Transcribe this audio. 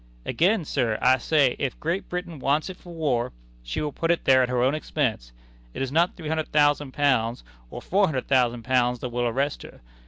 "Again, Sir, I say, if Great Britain wants it for war, she will put it there at her own expense. It is not three hundred thousand pounds, or four hundred thousand pounds, that will arrest her.